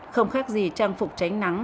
không khác gì trang phục tránh nắng